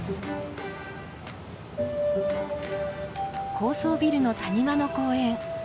高層ビルの谷間の公園。